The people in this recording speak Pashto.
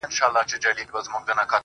ځوان ولاړ سو~